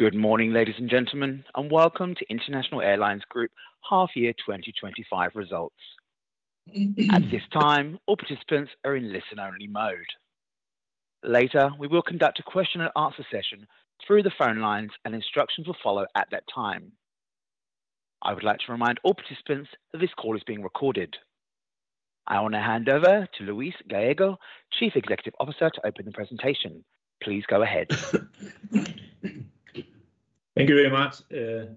Good morning ladies and gentlemen and welcome to International Airlines Group Half Year 2025 Results. At this time all participants are in listen only mode. Later we will conduct a question and answer session through the phone lines and instructions will follow. At that time, I would like to remind all participants this call is being recorded. I want to hand over to Luis Gallego, Chief Executive Officer, to open the presentation. Please go ahead. Thank you very much.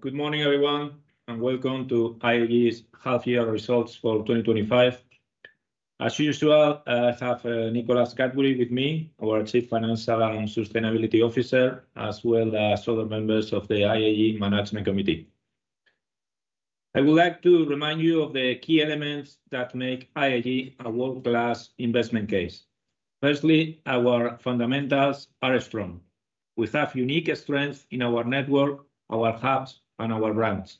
Good morning everyone and welcome to IAG's half year results for 2025. As usual, I have Nicholas Cadbury with me, our Chief Financial and Sustainability Officer, as well as other members of the IAG Management Committee. I would like to remind you of the key elements that make IAG a world class investment case. Firstly, our fundamentals are strong. We have unique strengths in our network, our hubs, and our brands.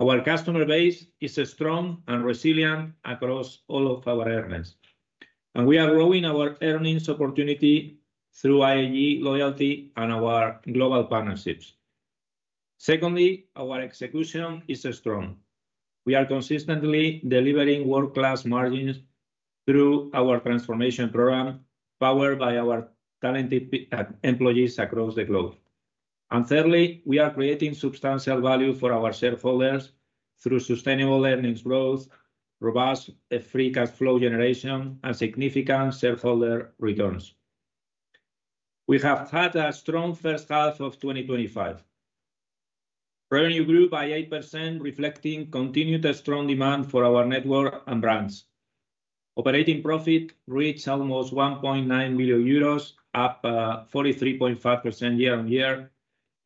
Our customer base is strong and resilient across all of our earnings and we are growing our earnings opportunity through IAG Loyalty and our global partnerships. Secondly, our execution is strong. We are consistently delivering world class margins through our transformation program, powered by our talented employees across the globe. Thirdly, we are creating substantial value for our shareholders through sustainable earnings growth, robust free cash flow generation, and significant shareholder returns. We have had a strong first half of 2025. Revenue grew by 8% reflecting continued strong demand for our network and brands. Operating profit reached almost 1.9 billion euros, up 43.5% year on year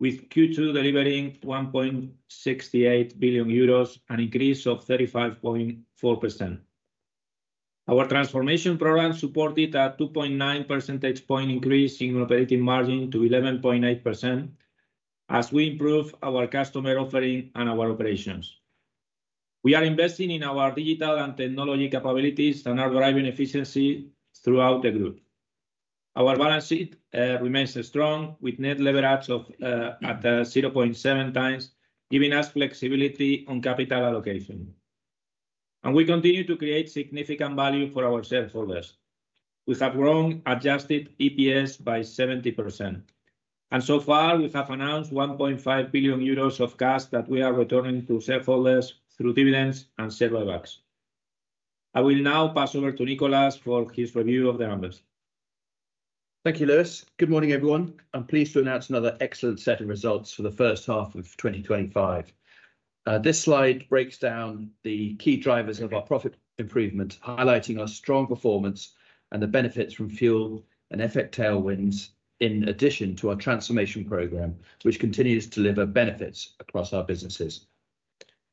with Q2 delivering 1.68 billion euros, an increase of 35.4%. Our transformation program supported a 2.9 percentage point increase in operating margin to 11.8% as we improve our customer offering and our operations. We are investing in our digital and technology capabilities and are driving efficiency throughout the group. Our balance sheet remains strong with net leverage at 0.7 times, giving us flexibility on capital allocation. We continue to create significant value for our shareholders. We have grown adjusted EPS by 70% and so far we have announced 1.5 billion euros of cash that we are returning to shareholders through dividends and share buybacks. I will now pass over to Nicholas for his review of the numbers. Thank you, Luis. Good morning everyone. I'm pleased to announce another excellent set of results for the first half of 2025. This slide breaks down the key drivers of our profit improvement, highlighting our strong performance and the benefits from fuel and FX tailwinds. In addition to our transformation program which continues to deliver benefits across our businesses.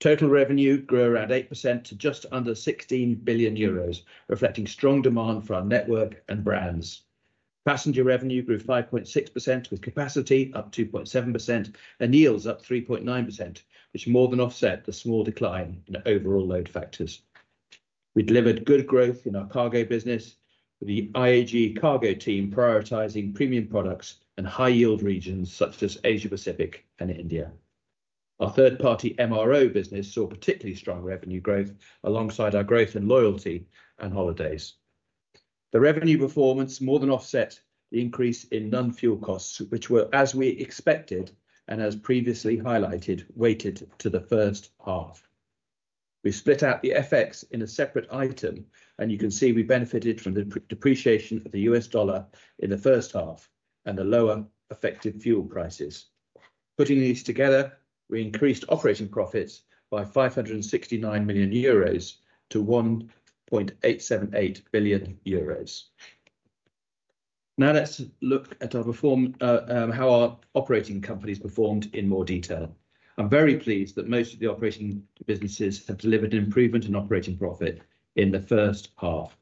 Total revenue grew around 8% to just under 16 billion euros, reflecting strong demand for our network and brands. Passenger revenue grew 5.6% with capacity up 2.7% and yields up 3.9% which more than offset the small decline in overall load factors. We delivered good growth in our cargo business with the IAG Cargo team prioritizing premium products and high yield regions such as Asia Pacific and India. Our third-party MRO services business saw particularly strong revenue growth alongside our growth in loyalty and holidays. The revenue performance more than offset the increase in non-fuel costs which were, as we expected and as previously highlighted, weighted to the first half. We split out the FX in a separate item and you can see we benefited from the depreciation of the U.S. dollar the first half and the lower effective fuel prices. Putting these together we increased operating profits by 569 million euros to 1.878 billion euros. Now let's look at how our operating companies performed in more detail. I'm very pleased that most of the operating businesses have delivered improvement in operating profit in the first half.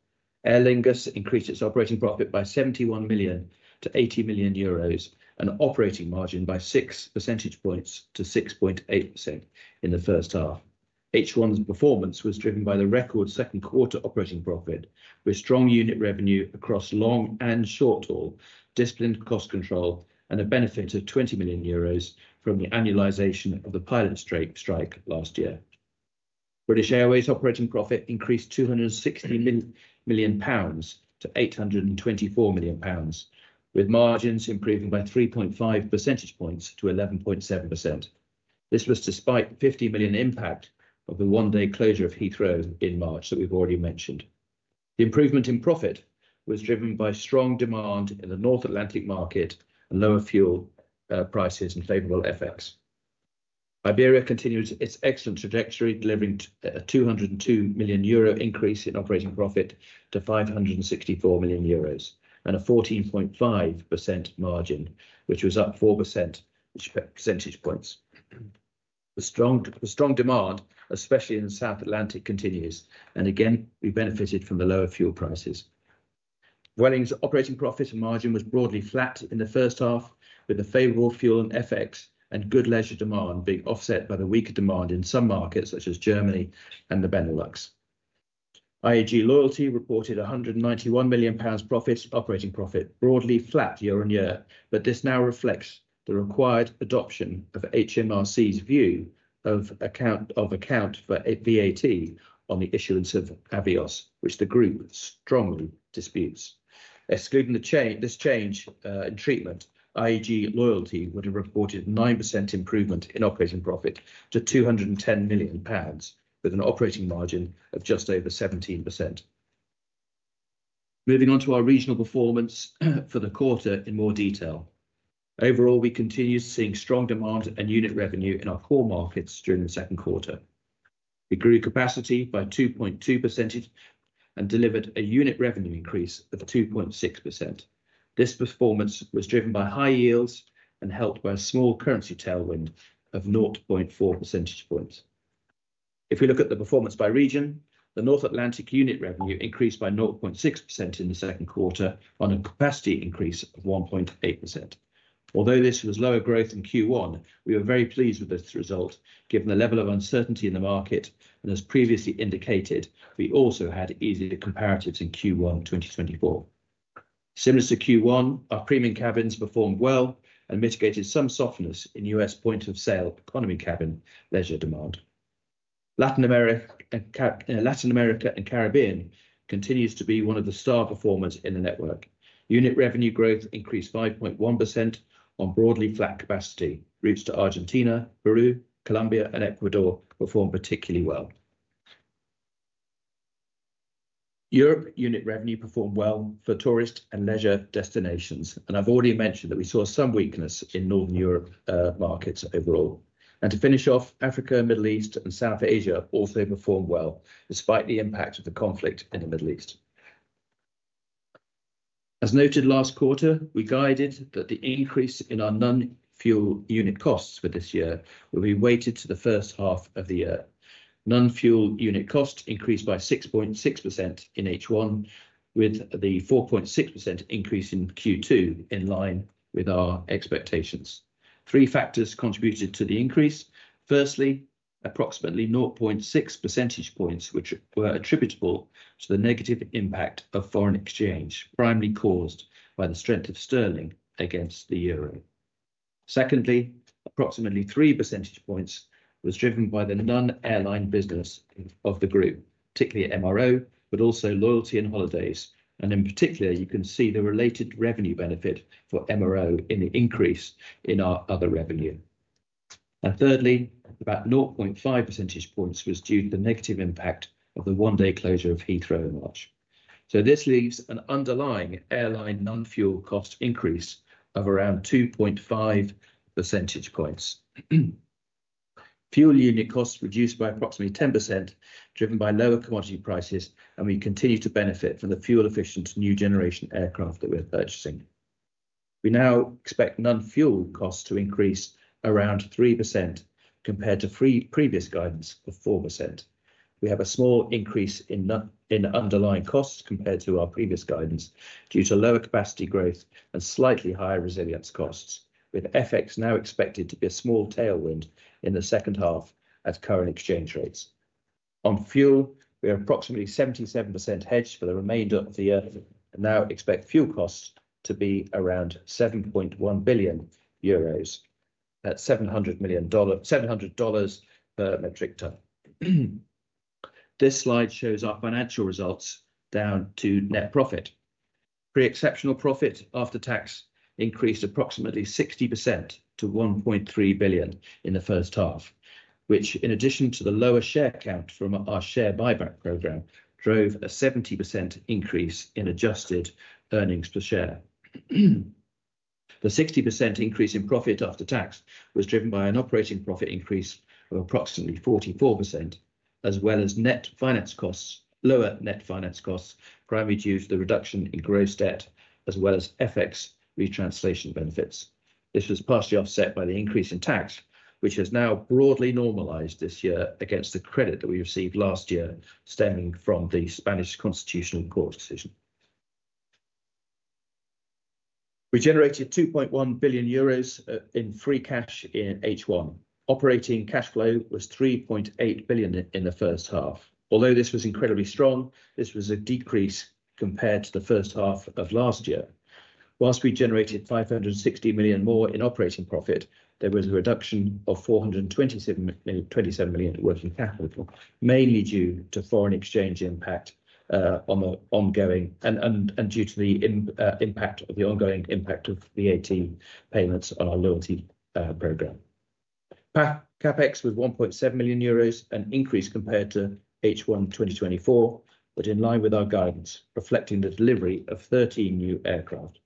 Aer Lingus increased its operating profit by 71 million-80 million euros and operating margin by 6 percentage points to 6.8% in the first half. H1's performance was driven by the record second quarter operating profit with strong unit revenue across long and short haul, disciplined cost control and a benefit of 20 million euros from the annualization of the pilot strike last year. British Airways operating profit increased EUR 260 million to EUR 824 million with margins improving by 3.5 percentage points to 11.7%. This was despite 50 million impact of the one-day closure of Heathrow in March that we've already mentioned. The improvement in profit was driven by strong demand in the North Atlantic market and lower fuel prices and favorable FX. Iberia continues its excellent trajectory delivering a 202 million euro increase in operating profit to 564 million euros and a 14.5% margin which was up 4 percentage points. The strong demand, especially in the South Atlantic, continues and again we benefited from the lower fuel prices. Vueling's operating profit and margin was broadly flat in the first half with the favorable fuel and FX and good leisure demand being offset by the weaker demand in some markets such as Germany and the Benelux. IAG Loyalty reported EUR 191 million profit, operating profit broadly flat year on year, but this now reflects the required adoption of HMRC's view of account for VAT on the issuance of Avios, which the group strongly disputes. Excluding this change in treatment, IAG Loyalty would have reported 9% improvement in operating profit to EUR 210 million with an operating margin of just over 17%. Moving on to our regional performance for the quarter in more detail. Overall, we continue seeing strong demand and unit revenue in our core markets. During the second quarter we grew capacity by 2.2% and delivered a unit revenue increase of 2.6%. This performance was driven by high yields and helped by a small currency tailwind of 0.4 percentage points. If we look at the performance by region, the North Atlantic unit revenue increased by 0.6% in the second quarter on a capacity increase of 1.8%. Although this was lower growth than Q1, we were very pleased with this result given the level of uncertainty in the market and as previously indicated, we also had easier comparatives in Q1 2024. Similar to Q1, our premium cabins performed well and mitigated some softness in U.S. point-of-sale economy leisure demand. Latin America and Caribbean continues to be one of the star performers in the network. Unit revenue growth increased 5.1% on broadly flat capacity. Routes to Argentina, Peru, Colombia, and Ecuador performed particularly well. Europe unit revenue performed well for tourist and leisure destinations and I've already mentioned that we saw some weakness in Northern Europe markets overall. To finish off, Africa, Middle East, and South Asia also performed well despite the impact of the conflict in the Middle East. As noted last quarter, we guided that the increase in our non-fuel unit costs for this year will be weighted to the first half of the year. Non-fuel unit cost increased by 6.6% in H1 with the 4.6% increase in Q2 in line with our expectations. Three factors contributed to the increase. Firstly, approximately 0.6 percentage points which were attributable to the negative impact of foreign exchange, primarily caused by the strength of sterling against the euro. Secondly, approximately 3 percentage points was driven by the non-airline business of the group, particularly MRO services but also loyalty and holidays, and in particular you can see the related revenue benefit for MRO services in the increase in our other revenue. Thirdly, about 0.5 percentage points was due to the negative impact of the one-day closure of Heathrow in Lodge. This leaves an underlying airline non-fuel cost increase of around 2.5 percentage points. Fuel unit costs reduced by approximately 10% driven by lower commodity prices, and we continue to benefit from the fuel-efficient new generation aircraft that we're purchasing. We now expect non-fuel costs to increase around 3% compared to previous guidance of 4%. We have a small increase in underlying costs compared to our previous guidance due to lower capacity growth and slightly higher resilience costs. With FX now expected to be a small tailwind in the second half, at current exchange rates on fuel, we are approximately 77% hedged for the remainder of the year and now expect fuel costs to be around 7.1 billion euros at $700 per metric tonne. This slide shows our financial results down to net profit. Pre-exceptional profit after tax increased approximately 60% to $1.3 billion in the first half, which in addition to the lower share count from our share buyback program, drove a 70% increase in adjusted earnings per share. The 60% increase in profit after tax was driven by an operating profit increase of approximately 44% as well as net finance costs. Lower net finance costs were primarily due to the reduction in gross debt as well as FX retranslation benefits. This was partially offset by the increase in tax, which has now broadly normalized this year against the credit that we received last year stemming from the Spanish Constitutional Court decision. We generated 2.1 billion euros in free cash in H1. Operating cash flow was 3.8 billion in the first half. Although this was incredibly strong, this was a decrease compared to the first half of last year. Whilst we generated 560 million more in operating profit, there was a reduction of 427 million working capital, mainly due to foreign exchange impact and due to the ongoing impact of VAT payments on our loyalty program. CapEx was 1.7 billion euros, an increase compared to H1 2024, but in line with our guidance reflecting the delivery of 13 new aircraft.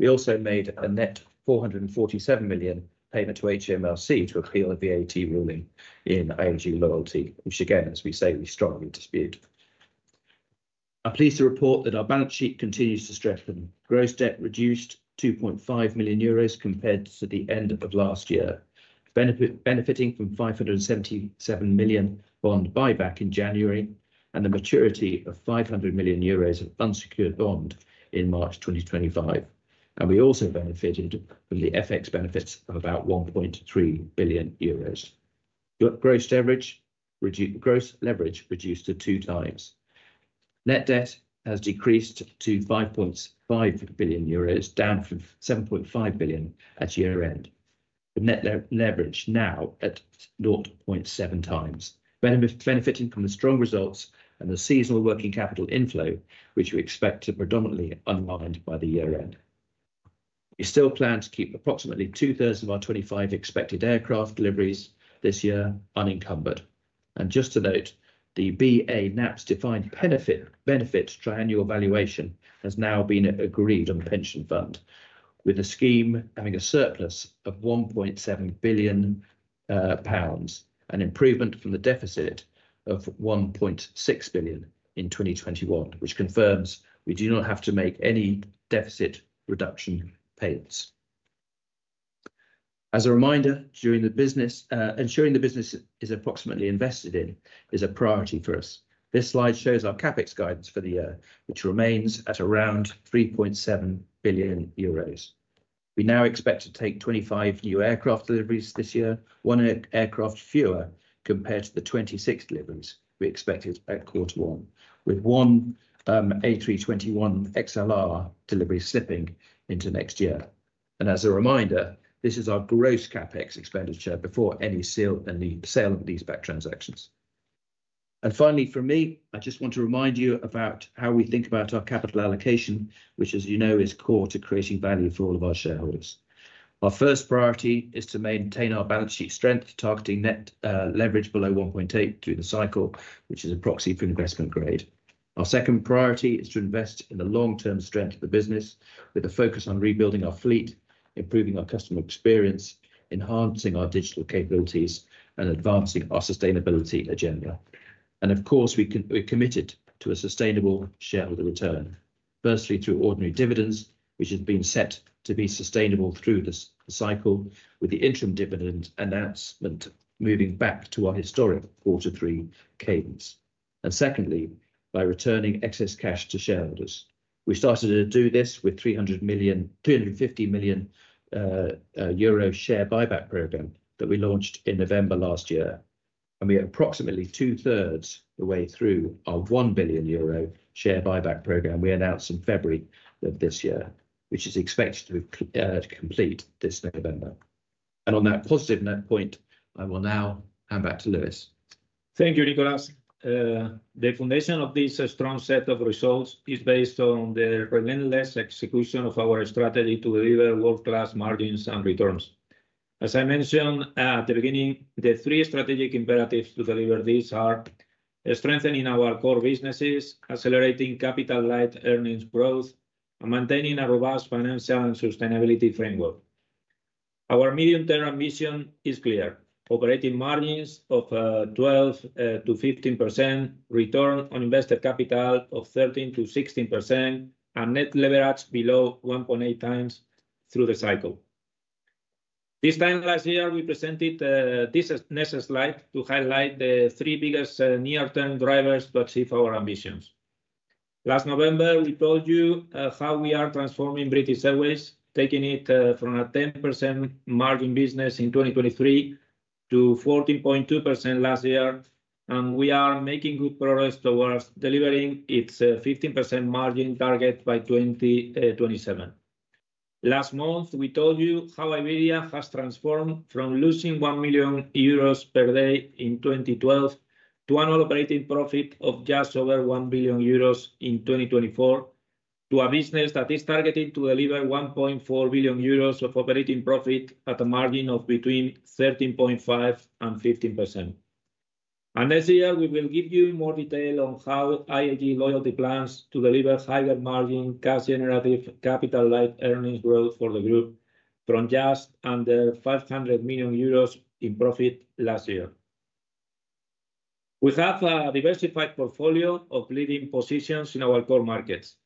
We also made a net 447 million payment to HMRC to appeal the VAT ruling in IAG Loyalty, which again as we say, we strongly dispute. I'm pleased to report that our balance sheet continues to strengthen. Gross debt reduced to 2.5 billion euros compared to the end of last year, benefiting from a 577 million bond buyback in January and the maturity of 500 million euros of unsecured bond in March 2025. We also benefited from the FX benefits of about 1.3 billion euros. Gross leverage reduced to 2 times. Net debt has decreased to 5.5 billion euros, down from 7.5 billion at year end. The net leverage now at 0.7 times, benefiting from the strong results and the seasonal working capital inflow, which we expect to predominantly unwind by the year end. We still plan to keep approximately two-thirds of our 25 expected aircraft deliveries this year unencumbered. Just to note, the BA NAPS defined benefit triennial valuation has now been agreed on the pension fund, with the scheme having a surplus of EUR 1.7 billion, an improvement from the deficit of 1.6 billion in 2021, which confirms we do not have to make any deficit reduction payments. As a reminder, ensuring the business is appropriately invested in is a priority for us. This slide shows our CapEx guidance for the year, which remains at around 3.7 billion euros. We now expect to take 25 new aircraft deliveries this year, one aircraft fewer compared to the 26 deliveries we expected at quarter one, with one A321XLR delivery slipping into next year. As a reminder, this is our gross CapEx expenditure before any sale and leaseback transactions. Finally, I just want to remind you about how we think about our capital allocation, which as you know is core to creating value for all of our shareholders. Our first priority is to maintain our balance sheet strength, targeting net leverage below 1.8 through the cycle, which is a proxy for investment grade. Our second priority is to invest in the long-term strength of the business with a focus on rebuilding our fleet, improving our customer experience, enhancing our digital capabilities, and advancing our sustainability agenda. Of course we're committed to a sustainable shareholder return, firstly through ordinary dividends which has been set to be sustainable through this cycle with the interim dividend announcement moving back to our historic quarter three cadence, and secondly by returning excess cash to shareholders. We started to do this with a 300 million share buyback program that we launched in November last year, and we are approximately two-thirds of the way through our 1 billion euro share buyback program we announced in February of this year, which is expected to complete this November. On that positive note, I will now hand back to Luis. Thank you, Nicholas. The foundation of this strong set of results is based on the relentless execution of our strategy to deliver world-class margins and returns. As I mentioned at the beginning, the three strategic imperatives to deliver these are strengthening our core businesses, accelerating capital-light earnings growth, and maintaining a robust financial and sustainability framework. Our medium-term ambition is clear: operating margins of 12%-15%, return on invested capital of 13%-16%, and net leverage below 1.8 times through the cycle. This time last year, we presented this next slide to highlight the three biggest near-term drivers to achieve our ambitions. Last November, we told you how we are transforming British Airways, taking it from a 10% margin business in 2023 to 14.2% last year. We are making good progress towards delivering its 15% margin target by 2027. Last month, we told you how Iberia has transformed from losing 1 million euros per day in 2012 to annual operating profit of just over 1 billion euros in 2024, to a business that is targeted to deliver 1.4 billion euros of operating profit at a margin of between 13.5% and 15%. Next year, we will give you more detail on how IAG Loyalty plans to deliver higher margin, cash-generative, capital-light earnings growth for the group from just under 500 million euros in profit last year. We have a diversified portfolio of leading positions in our core markets.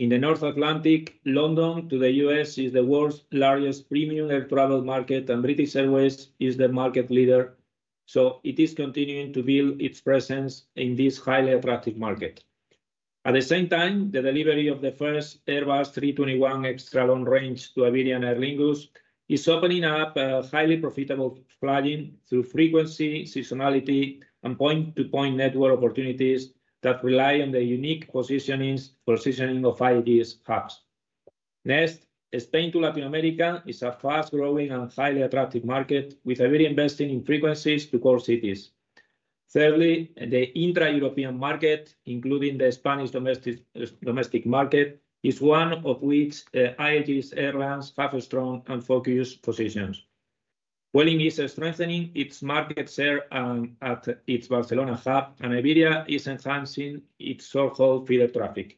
In the North Atlantic, London to the U.S. is the world's largest premium air travel market, and British Airways is the market leader, so it is continuing to build its presence in this highly attractive market. At the same time, the delivery of the first Airbus 321 extra long range to Aer Lingus is opening up a highly profitable flow through frequency, seasonality, and point-to-point network opportunities that rely on the unique positioning of IAG's hubs. Next, Spain to Latin America is a fast-growing and highly attractive market, with Iberia investing in frequencies to core cities. Thirdly, the intra-European market, including the Spanish domestic market, is one in which IAG's airlines have strong and focused positions. Vueling is strengthening its market share at its Barcelona hub, and Iberia is enhancing its so-called feeder traffic.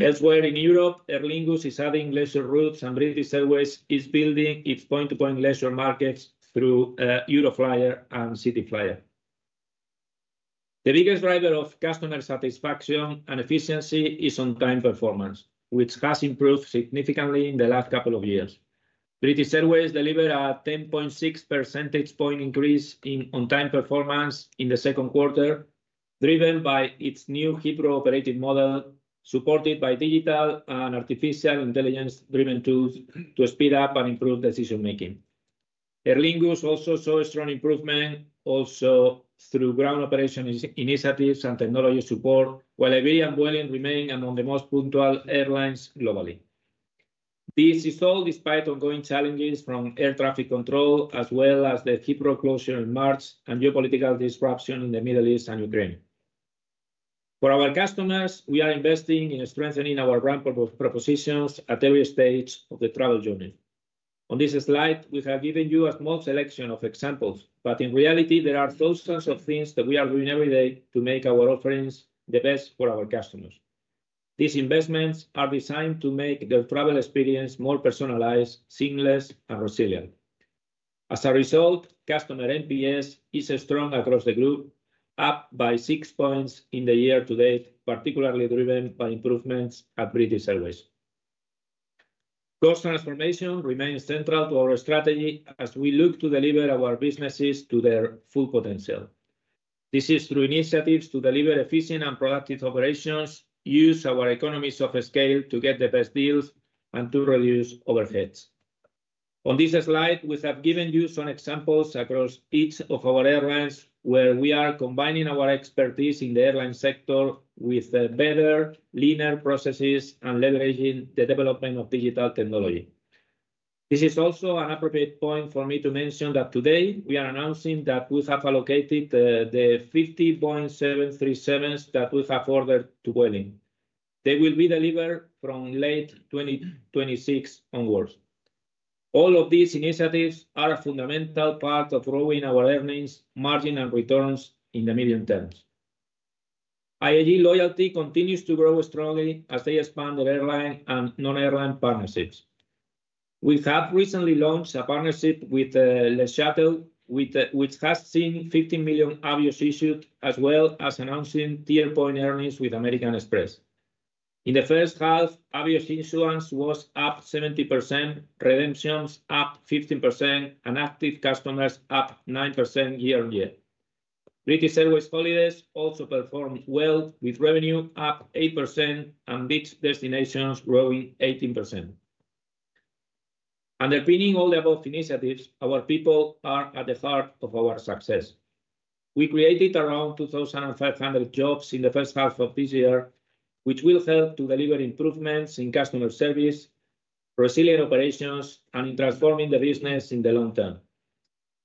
Elsewhere in Europe, Aer Lingus is adding leisure routes, and British Airways is building its point-to-point leisure markets through EuroFlyer and CityFlyer. The biggest driver of customer satisfaction and efficiency is on time performance, which has improved significantly in the last couple of years. British Airways delivered a 10.6% point increase in on time performance in the second quarter, driven by its new Heathrow operated model supported by digital and artificial intelligence driven tools to speed up and improve decision making. Aer Lingus also saw a strong improvement through ground operation initiatives and technology support, while Iberia and Vueling remain among the most punctual airlines globally. This is all despite ongoing challenges from air traffic control as well as the Heathrow closure in March and geopolitical disruption in the Middle East and Ukraine. For our customers, we are investing in strengthening our ramp up of propositions at every stage of the travel journey. On this slide, we have given you a small selection of examples, but in reality there are thousands of things that we are doing every day to make our offerings the best for our customers. These investments are designed to make their travel experience more personalized, seamless, and resilient. As a result, customer NPS is strong across the group, up by 6 points in the year to date, particularly driven by improvements at British Airways. Cost transformation remains central to our strategy as we look to deliver our businesses to their full, full potential. This is through initiatives to deliver efficient and productive operations, use our economies of scale to get the best deals, and to reduce overheads. On this slide, we have given you some examples across each of our airlines where we are combining our expertise in the airline sector with better, leaner processes and leveraging the development of digital technology. This is also an appropriate point for me to mention that today we are announcing that we have allocated the 50 Boeing 737 that we have ordered to Vueling. They will be delivered from late 2026 onwards. All of these initiatives are a fundamental part of growing our earnings margin and returns in the medium term. IAG Loyalty continues to grow strongly as they expand their airline and non-airline partnerships. We have recently launched a partnership with Le Chateau, which has seen 15 million Avios issued, as well as announcing tier point earnings with American Express. In the first half, Avios issuance was up 70%, redemptions up 15%, and active customers up 9%. Year on year, British Airways Holidays also performed well with revenue up 8% and beach destinations growing 18%. Underpinning all the above initiatives, our people are at the heart of our success. We created around 2,500 jobs in the first half of this year, which will help to deliver improvements in customer service, resilient operations, and in transforming the business in the long term.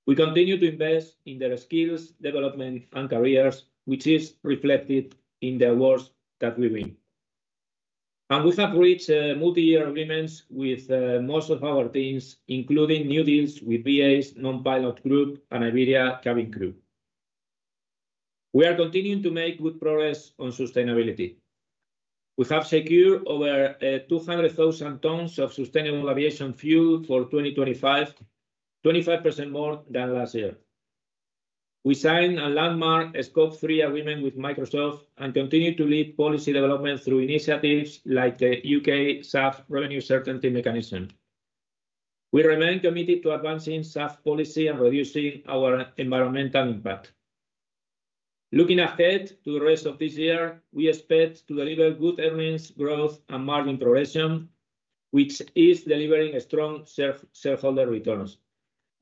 We continue to invest in their skills development and careers, which is reflected in the awards that we win, and we have reached multi-year agreements with most of our teams, including new deals with Vueling's non-pilot group and Iberia cabin crew. We are continuing to make good progress on sustainability. We have secured over 200,000 tons of sustainable aviation fuel for 2025, 25% more than last year. We signed a landmark Scope 3 agreement with Microsoft and continue to lead policy development through initiatives like the U.K. SAF Revenue Certainty Mechanism. We remain committed to advancing SAF policy and reducing our environmental impact. Looking ahead to the rest of this year, we expect to deliver good earnings growth and margin progression, which is delivering strong shareholder returns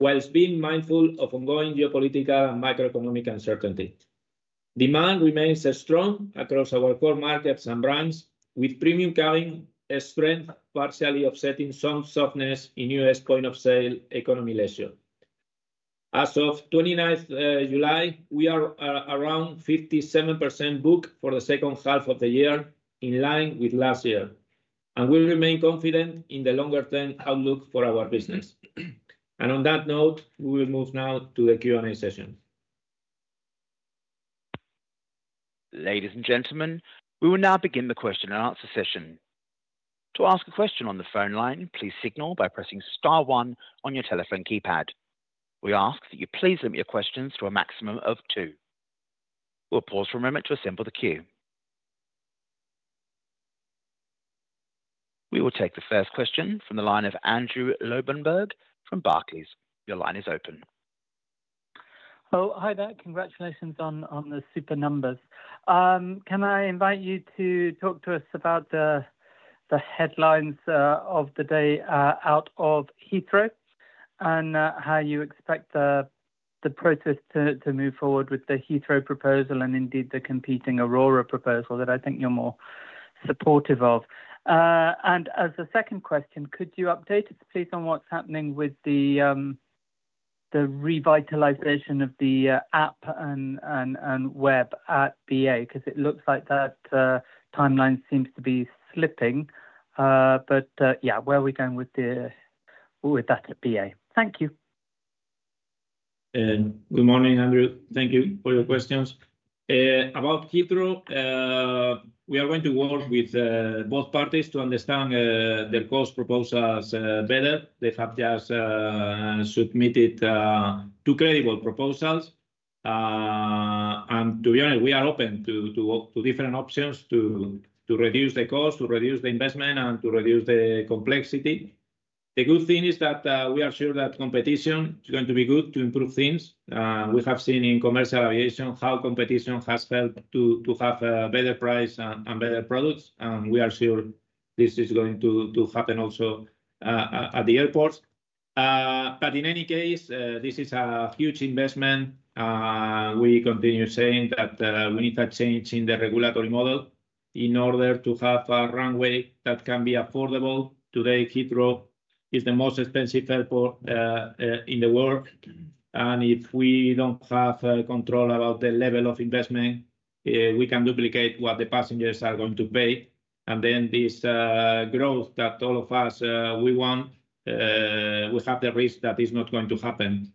whilst being mindful of ongoing geopolitical and macroeconomic uncertainty. Demand remains strong across our core markets and brands, with premium coming strength partially offsetting some softness in U.S. point-of-sale economy leisure. As of 29 July, we are around 57% booked for the second half of the year, in line with last year, and we remain confident in the longer-term outlook for our business. On that note, we will move now to the Q&A session. Ladies and gentlemen, we will now begin the question and answer session. To ask a question on the phone line, please signal by pressing star one on your telephone keypad. We ask that you please limit your questions to a maximum of two. We will pause for a moment to assemble the queue. We will take the first question from the line of Andrew Lobbenberg from Barclays. Your line is open. Oh, hi there. Congratulations on the super numbers. Can I invite you to talk to us about the headlines of the day out of Heathrow and how you expect the process to move forward with the Heathrow proposal and indeed the competing Arora proposal that I think you're more supportive of. As a second question, could you update please on what's happening with the revitalization of the app and web at British Airways because it looks like that timeline seems to be slipping. Where are we going with that at British Airways? Thank you. Good morning, Andrew. Thank you for your questions about Heathrow. We are going to work with both parties to understand their cost proposals better. They have just submitted two credible proposals, and to be honest, we are open to different options to reduce the cost, to reduce the investment, and to reduce the complexity. The good thing is that we are sure that competition is going to be good to improve things. We have seen in commercial aviation how competition has helped to have better price and better products. We are sure this is going to happen also at the airport. In any case, this is a huge investment. We continue saying that we need a change in the regulatory model in order to have a runway that can be affordable. Today, Heathrow is the most expensive airport in the world, and if we don't have control about the level of investment, we can duplicate what the passengers are going to pay. This growth that all of us, we want, we have the risk that is not going to happen.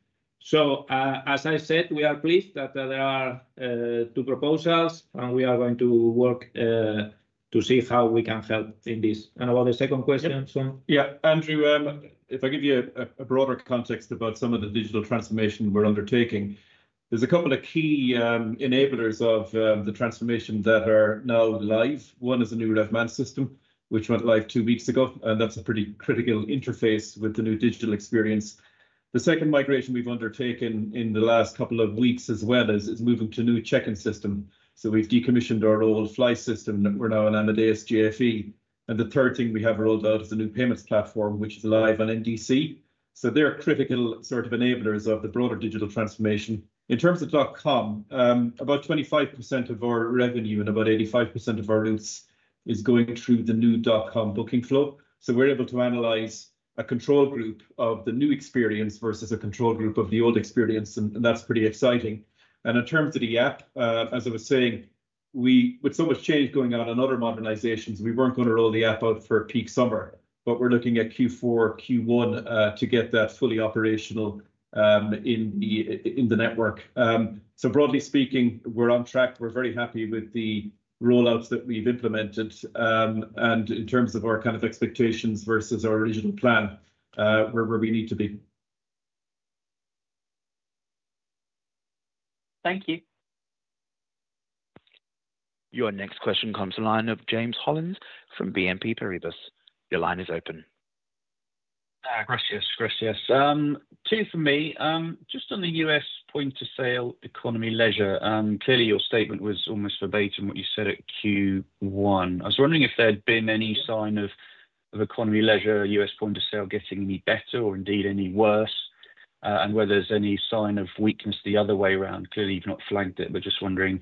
As I said, we are pleased that there are two proposals, and we are going to work to see how we can help in this. About the second question. Yeah, Andrew, if I give you a broader context about some of the digital transformation we're undertaking, there's a couple of key enablers of the transformation that are now live. One is the new revenue management system, which went live two weeks ago. That's a pretty critical interface with the new digital experience. The second migration we've undertaken in the last couple of weeks as well is moving to a new check-in system. We've decommissioned our old fly system. We're now on Amadeus JFE. The third thing we have rolled out is the new payments platform, which is live on NDC. They're critical enablers of the broader digital transformation. In terms of dot com, about 25% of our revenue and about 85% of our routes is going through the new dot com booking flow. We're able to analyze a control group of the new experience versus a control group of the old experience, and that's pretty exciting. In terms of the app, as I was saying, with so much change going on in other modernizations, we weren't going to roll the app out for peak summer. We're looking at Q4, Q1 to get that fully operational in the network. Broadly speaking, we're on track. We're very happy with the rollouts that we've implemented. In terms of our kind of expectations versus our original plan, we're where we need to be. Thank you. Your next question comes from James Hollins from BNP Paribas, your line is open. Gracias, gracias. Two for me, just on the U.S. point-of-sale economy leisure, clearly your statement was almost verbatim what you said at Q1. I was wondering if there'd been any sign of economy leisure U.S. point-of-sale getting any better or indeed any worse, and whether there's any sign of weakness the other way around. Clearly you've not flagged it, but just wondering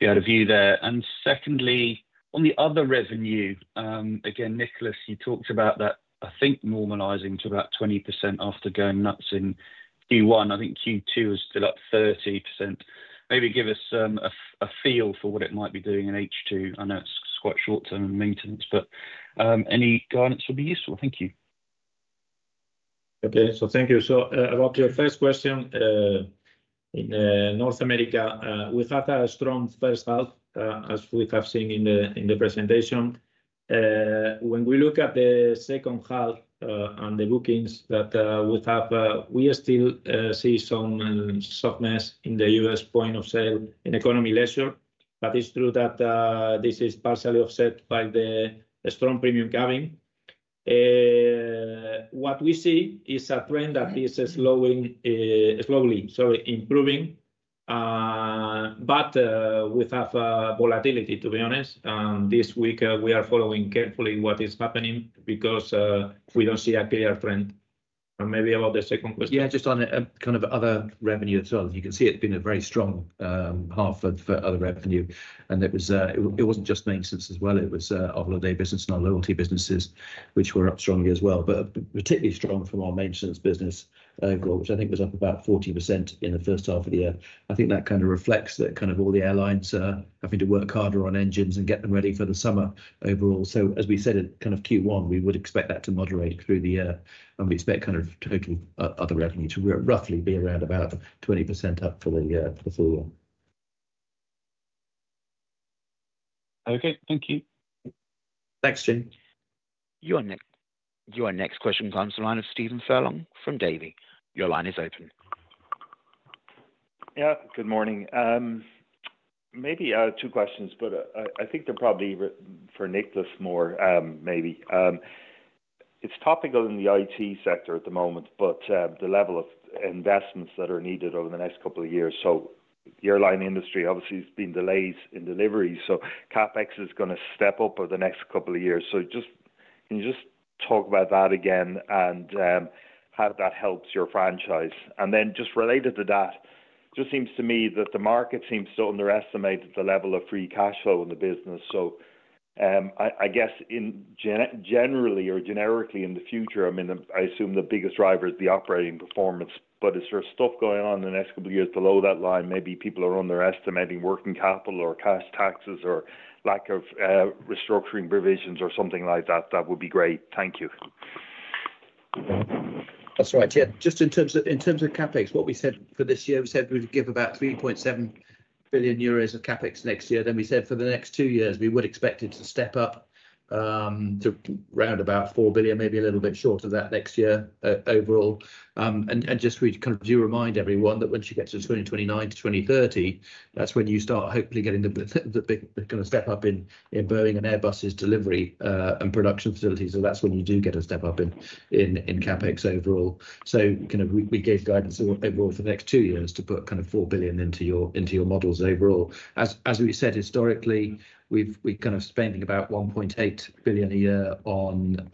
your view there. Secondly, on the other revenue, again, Nicholas, you talked about that. I think normalizing to about 20% after going nuts in Q1. I think Q2 is still up 30%. Maybe give us a feel for what it might be doing in H2, and that's quite short term and maintenance. Any guidance will be useful. Thank you. Okay, thank you. Your first question, in North America we had a strong first half as we have seen in the presentation. When we look at the second half and the bookings that we have, we still see some softness in the U.S. point-of-sale economy leisure. It's true that this is partially offset by the strong premium cabin. What we see is a trend that is slowly improving but with volatility, to be honest. This week we are following carefully what is happening because we don't see a clear trend. Maybe about the second question. Yeah, just on a kind of other revenue as well, you can see it's been a very strong half of other revenue, and it was, it wasn't just maintenance as well. It was our holiday business and our loyalty businesses, which were up strongly as well, but particularly strong from our maintenance business overall, which I think was up about 40% in the first half of the year. I think that kind of reflects that kind of all the airlines having to work harder on engines and get them ready for the summer overall. As we said in Q1, we would expect that to moderate through the year, and we expect kind of total other revenue to roughly be around about 20% up for the full year. Okay, thank you. Thanks James. Your next question comes from the line of Stephen Furlong from Davy. Your line is open. Yeah, good morning. Maybe two questions, but I think they're probably for Nicholas more. Maybe it's topical in the IT sector at the moment, but the level of investments that are needed over the next couple of years. The airline industry obviously has been delays in deliveries. CapEx is going to step up over the next couple of years. Can you just talk about that again and how that helps your franchise? Related to that, it just seems to me that the market seems to underestimate the level of free cash flow in the business. I guess generally or generically in the future, I mean, I assume the biggest driver is the operating performance. Is there stuff going on the next couple of years below that line? Maybe people are underestimating working capital or cash taxes or lack of restructuring provisions or something like that. That would be great. Thank you. That's right. Just in terms of, in terms of CapEx, what we said for this year, we said we'd give about 3.7 billion euros of CapEx next year. Then we said for the next two years we would expect it to step up to around 4 billion, maybe a little bit short of that next year overall. We do remind everyone that once you get to 2029 to 2030, that's when you start hopefully getting the kind of step up in Boeing and Airbus delivery and production facilities, and that's when you do get a step up in CapEx overall. We gave guidance for the next two years to put kind of 4 billion into your models overall. As we said, historically we're kind of spending about 1.8 billion a year on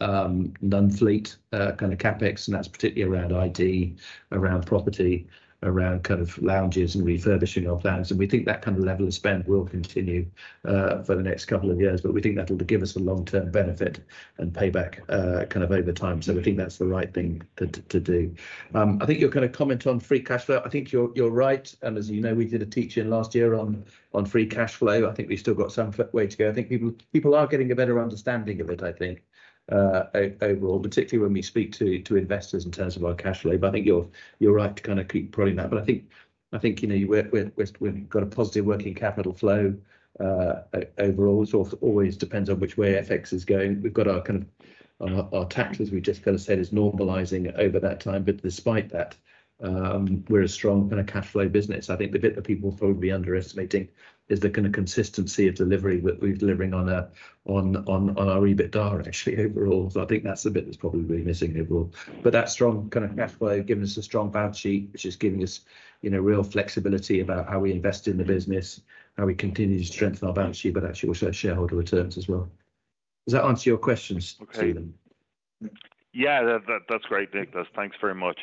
non-fleet kind of CapEx, and that's particularly around IT, around property, around kind of lounges and refurbishing our plans. We think that kind of level of spend will continue for the next couple of years, but we think that will give us a long-term benefit and payback over time. We think that's the right thing to do. I think you're going to comment on free cash flow. I think you're right. As you know, we did a teach-in last year on free cash flow. I think we still got some way to go. I think people are getting a better understanding of it. I think overall, particularly when we speak to investors in terms of our cash flow. I think you're right to kind of keep prodding that. I think we've got a positive working capital flow overall. It always depends on which way FX is going. We've got our taxes we just said is normalizing over that time. Despite that, we're a strong kind of cash flow business. I think the bit that people are probably underestimating is the kind of consistency of delivery that we're delivering on our EBITDA actually overall. I think that's the bit that's probably missing overall. That strong kind of cash flow is giving us a strong balance sheet, which is giving us real flexibility about how we invest in the business, how we continue to strengthen our balance sheet, but actually also shareholder returns as well. Does that answer your questions? Yeah, that's great, Nick, thanks very much.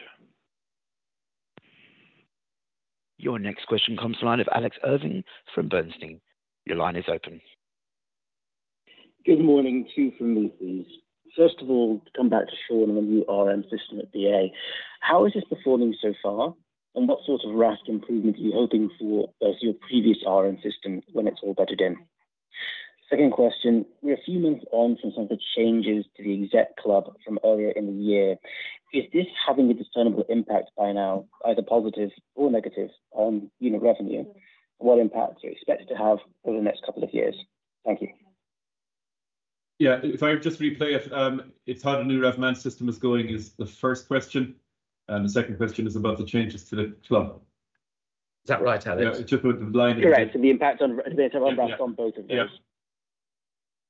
Your next question comes from the line of Alex Irving from Bernstein. Your line is open. Good morning. Two from [Heathrow's]. First of all, come back to Sean on the new revenue management system at BA. How is this performing so far, and what sort of RASK improvement are you hoping for as your previous revenue management system when it's all bedded in? Second question, we're a few months on from some of the changes to the Exec Club from earlier in the year. Is this having a discernible impact by now, either positive or negative, on unit revenue? What impact do you expect to have over the next couple of years? Thank you. If I just replay it, it's how the new revenue management system is going is the first question, and the second question is about the changes to the club. Is that right, Alex? Correct. The impact on both of them, yes.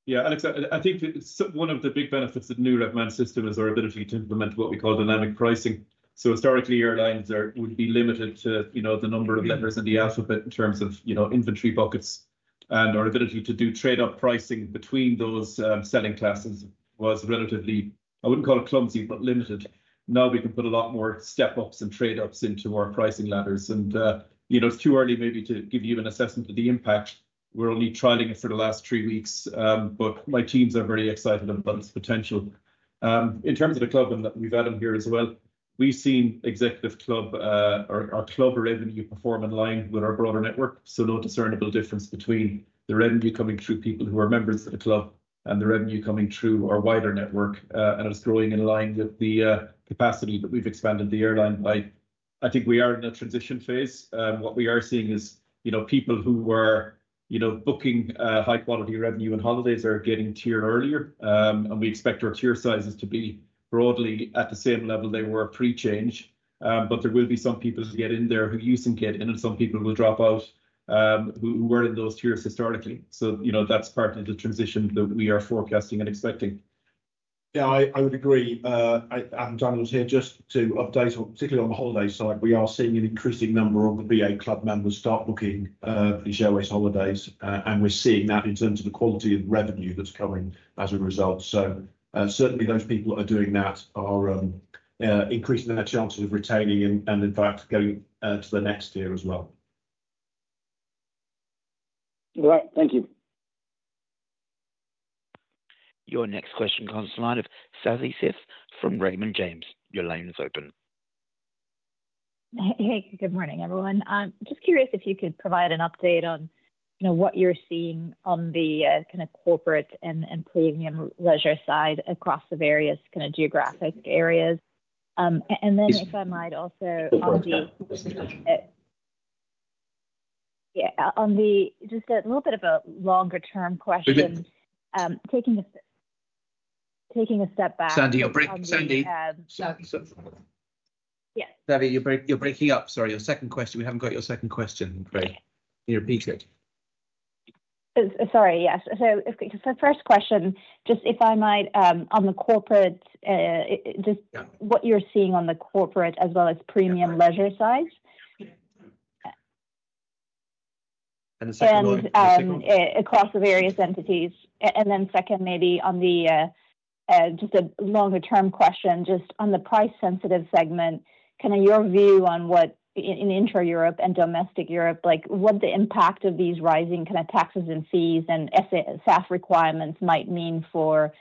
Yeah. Alex, I think one of the big benefits of the new revenue management system is our ability to implement what we call dynamic pricing. Historically, airlines would be limited to the number of letters in the alphabet in terms of inventory buckets. Our ability to do trade-off pricing between those selling classes was relatively, I wouldn't call it clumsy, but limited. Now we can put a lot more step-ups and trade-ups into our pricing ladders, and it's too early maybe to give you an assessment of the impact. We're only trialing it for the last three weeks. My teams are very excited about its potential in terms of the club and that we've added here as well. We've seen Executive Club or our club revenue perform in line with our broader network. There is no discernible difference between the revenue coming through people who are members of the club and the revenue coming through our wider network, and it's growing in line with the capacity that we've expanded the airline. I think we are in a transition phase. What we are seeing is people who are booking high quality revenue and holidays are getting tiered earlier, and we expect our tier sizes to be broadly at the same level they were pre-change. There will be some people who get in and some people will drop out who were in those tiers historically. That's part of the transition that we are forecasting and expecting. Yeah, I would agree. [Adam Daniels] here just to update. Particularly on the holiday side, we are seeing an increasing number of the BA Club members start booking the showcase holidays, and we're seeing that in terms of the quality of revenue that's coming as a result. Certainly, those people who are doing that are increasing their chances of retaining and in fact going to the next tier as well. Right, thank you. Your next question comes from Savanthi Syth from Raymond James. Your line is open. Hey, good morning everyone. I'm just curious if you could provide an update on what you're seeing on the kind of corporate and premium leisure side across the various kind of geographic areas. If I might also. Yeah. Just a little bit of a longer term question, taking a step back. Yes, you're breaking up. Sorry, your second question. We haven't got your second question, Craig. Can you repeat it? Yes. First question, just if I might, on the corporate, just what you're seeing on the corporate as well as premium leisure sides and the second one across the various entities. Second, maybe just a longer term question, just on the price sensitive segment, kind of your view on what in intra-Europe and domestic Europe, like what the impact of these rising kind of taxes and fees and sustainable aviation fuel requirements might mean for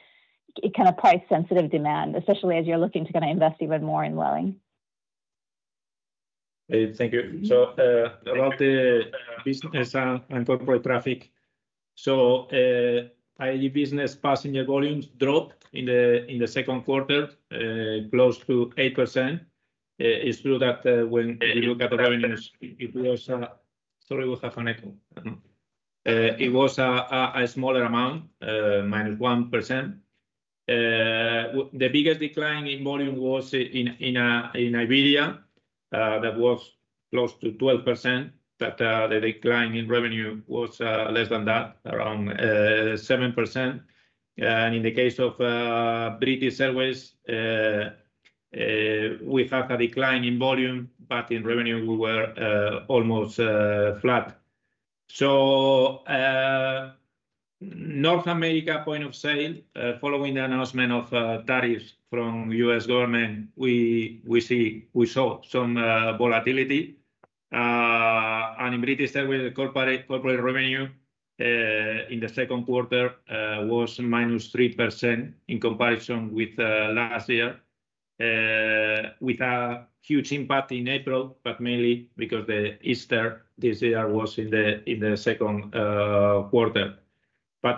kind of price sensitive demand, especially as you're looking to kind of invest even more in Wellington. Thank you. About the business and corporate traffic, business passenger volumes dropped in the second quarter, close to 8%. It's true that when we look at the revenues, it was a smaller amount, minus 1%. The biggest decline in volume was in Iberia, that was close to 12%, but the decline in revenue was less than that, around 7%. In the case of British Airways, we had a decline in volume, but in revenue we were almost flat. So. North America point of sale following the announcement of tariffs from U.S. Government, we saw some volatility in British corporate. Corporate revenue in the second quarter was minus 3% in comparison with last year, with a huge impact in April, mainly because Easter this year was in the second quarter.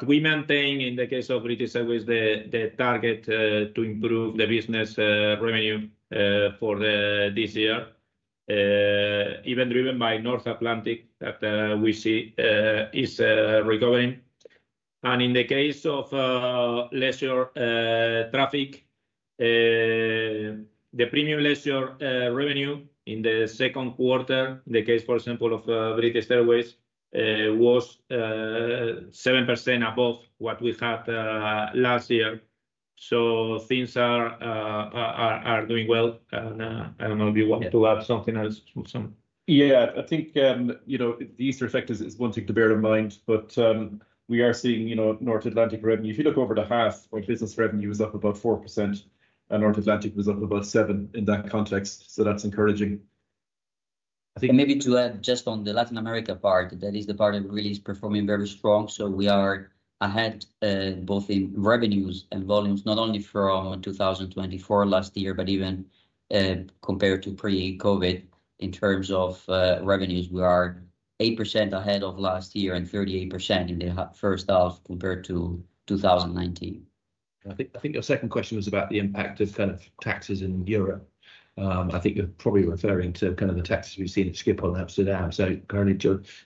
We maintain, in the case of British service, the target to improve the business revenue for this year, even driven by North Atlantic that we see is recovering. In the case of leisure traffic, the premium leisure revenue in the second quarter, in the case for example of British Airways, was 7% above what we had last year. Things are doing well. I don't know if you want to add something else. Yeah, I think the Easter effect is one thing to bear in mind, but we are seeing North Atlantic revenue. If you look over the half, my business revenue is up about 4%, and North Atlantic was up about 7% in that context. That's encouraging. I think maybe to add just on the Latin America part, that is the part that really is performing very strong. We are ahead both in revenues and volumes not only from 2024 last year, but even compared to pre-Covid. In terms of revenues, we are 8% ahead of last year and 38% in the first half compared to 2019. I think your second question was about the impact of kind of taxes in Europe. I think you're probably referring to the taxes we've seen at Schiphol Amsterdam. Currently,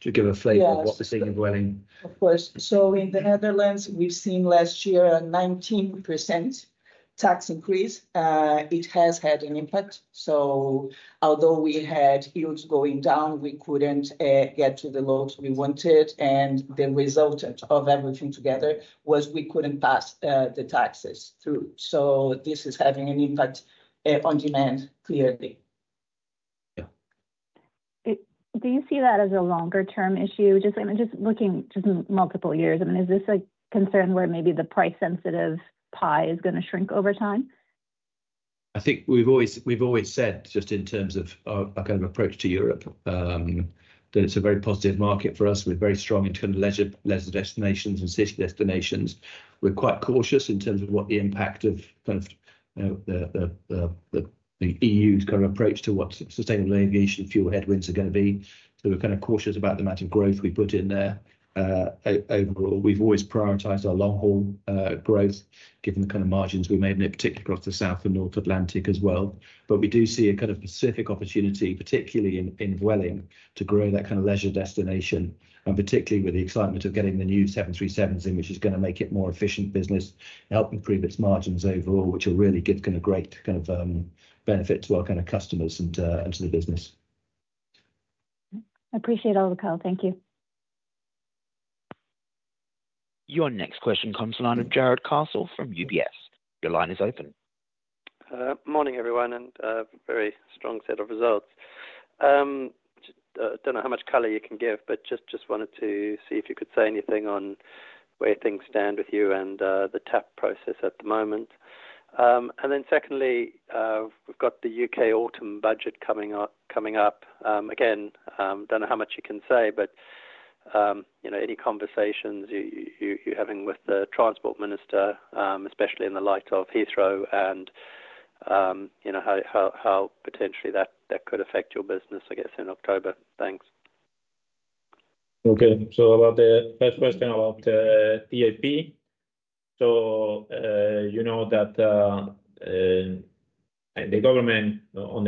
to give a flavor of what we're seeing in dwelling, of course. In the Netherlands, we've seen last year a 19% tax increase. It has had an impact. Although we had yields going down, we couldn't get to the loads we wanted, and the resultant of everything together was we couldn't pass the taxes through. This is having an impact on demand, clearly. Yeah. Do you see that as a longer term issue? I mean, just looking multiple years, is this a concern where maybe the price sensitive pie is going to shrink over time? I think we've always said just in terms of our kind of approach to Europe that it's a very positive market for us. We're very strong in terms of leisure destinations and city destinations. We're quite cautious in terms of what the impact of the E.U.'s kind of approach to what sustainable aviation fuel headwinds are going to be. We're kind of cautious about the amount of growth we put in there overall. We've always prioritized our long haul growth given the kind of margins we made in it, particularly across the South and North Atlantic as well. We do see a kind of Pacific opportunity, particularly in dwelling to grow that kind of leisure destination and particularly with the excitement of getting the new 737s in, which is going to make it more efficient business, help improve its margins overall, which will really be a great kind of benefit to our kind of customers and to the business. I appreciate all the call. Thank you. Your next question comes along with Jarrod Castle from UBS. Your line is open. Morning everyone. Very strong set of results. I don't know how much color you can give, but just wanted to see if you could say anything on where things stand with you and the TAP process at the moment. Secondly, we've got the U.K. Autumn budget coming up. Again, don't know how much you can say, but any conversations you're having with the Transport Minister, especially in the light of Heathrow and how potentially that could affect your business, I guess in October. Thanks. Okay, about the first question about TAP. You know that the government on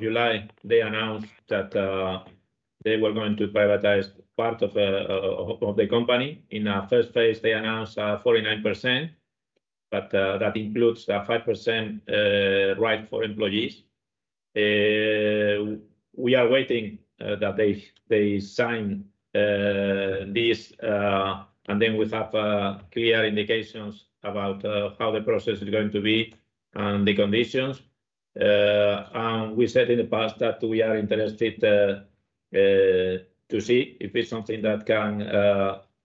July 10 announced that they were going to privatize part of the company. In our first phase, they announced 49%, but that includes a 5% right for employees. We are waiting for them to sign this, and then we have clear indications about how the process is going to be and the conditions. We said in the past that we are interested to see if it's something that can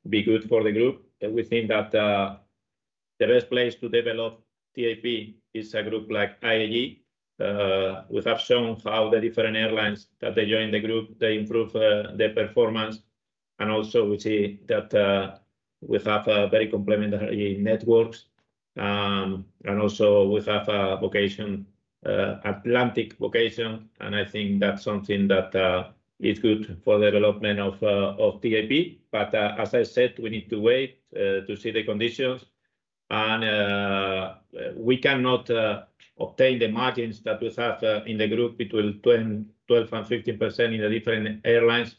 be good for the group. We think that the best place to develop TAP is a group like IAG. We have shown how the different airlines that join the group improve their performance, and also we see that we have very complementary networks and we have a vocation, Atlantic vocation. I think that's something that is good for the development of TAP. As I said, we need to wait to see the conditions, and we cannot obtain the margins that we have in the group, between 12% and 15% in the different airlines,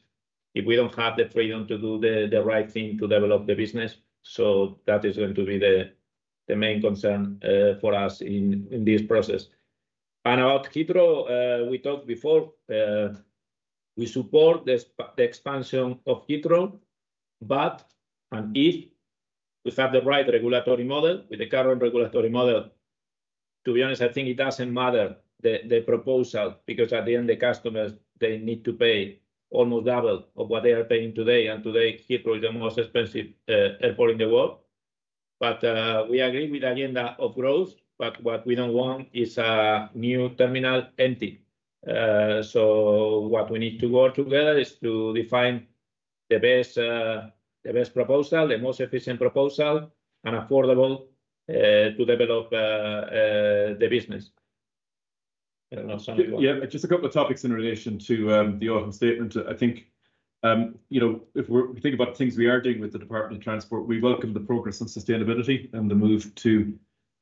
if we don't have the freedom to do the right thing to develop the business. That is going to be the main concern for us in this process. About Heathrow, we talked before, we support the expansion of Heathrow. If we have the right regulatory model, with the current regulatory model, to be honest, I think it doesn't matter the proposal because at the end the customers need to pay almost double what they are paying today. Today, Heathrow is the most expensive airport in the world. We agree with the agenda of growth. What we don't want is a new terminal empty. What we need to work together on is to define the best proposal, the most efficient proposal, and affordable to develop the business. Yeah, just a couple of topics in relation to the Autumn Statement. I think, you know, if we think about things we are doing with the Department of Transport, we welcome the progress on sustainability and the move to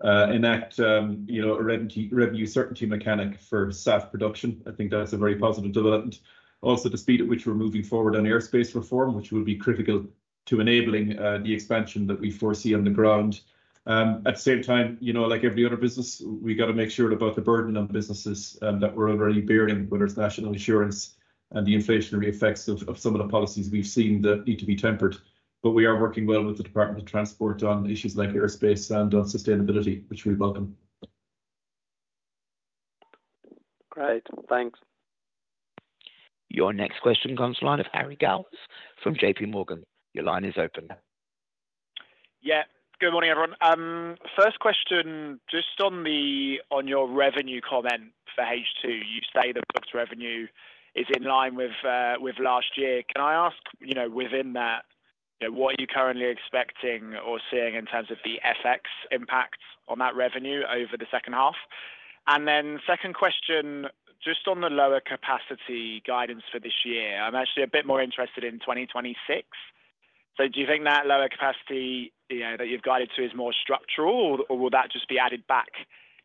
enact, you know, a revenue certainty mechanic for sustainable aviation fuel production. I think that's a very positive development. Also, the speed at which we're moving forward on airspace reform, which will be critical to enabling the expansion that we foresee on the ground. At the same time, you know, like every other business, we got to make sure about the burden of businesses that we're already bearing, whether it's national insurance and the inflationary effects of some of the policies we've seen that need to be tempered. We are working well with the Department of Transport on issues like airspace and on sustainability, which we welcome. Great, thanks. Your next question comes from the line of Harry Gowers from JPMorgan. Your line is open. Yeah, good morning, everyone. First question, just on your revenue comment for H2, you say the booked revenue is in line with last year. Can I ask, within that, what are you currently expecting or seeing in terms of the FX impact on that revenue over the second half? Second question, just on the lower capacity guidance for this year, I'm actually a bit more interested in 2026. Do you think that lower capacity that you've guided to is more structural or will that just be added back